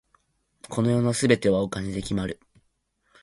この世の全てはお金で決まる。